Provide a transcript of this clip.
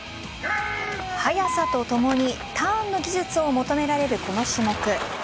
速さとともにターンの技術を求められるこの種目。